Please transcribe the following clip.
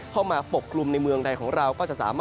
เข้ามาปกกรุมในเมืองใดของเราก็จะ